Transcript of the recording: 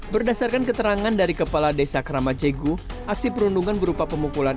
berdasarkan keterangan dari kepala desa kramajegu aksi perundungan berupa pemukulan